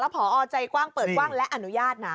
พอใจกว้างเปิดกว้างและอนุญาตนะ